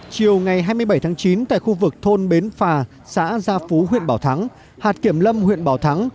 chiều ngày hai mươi bảy tháng chín tại khu vực thôn bến phà xã gia phú huyện bảo thắng hạt kiểm lâm huyện bảo thắng